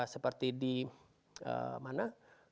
seperti di mana